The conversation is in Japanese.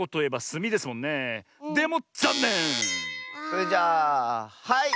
それじゃあはい！